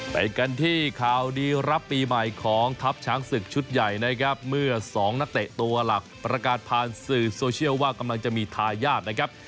ไปกันที่ข่าวดีรับปีใหม่ของทัพช้างศึกชุดใหญ่นะครับเมื่อสองนักเตะตัวหลักประกาศผ่านสื่อโซเชียลว่ากำลังจะมีทายาทนะครับ